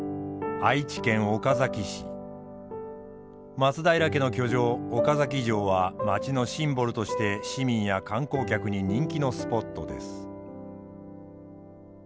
松平家の居城岡崎城は街のシンボルとして市民や観光客に人気のスポットです。